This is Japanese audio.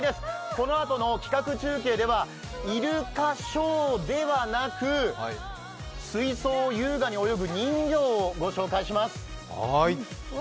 このあとの企画中継では、イルカショーではなく、水槽を優雅に泳ぐ人魚をご紹介します。